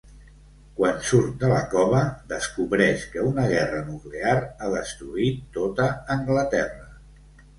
Quan surt de la cova, descobreix que una guerra nuclear ha destruït tota Anglaterra.